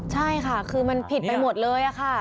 ใช่ค่ะคือผิดไปหมดเลย